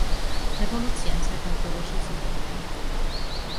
რევოლუციამ საქართველოშიც იფეთქა.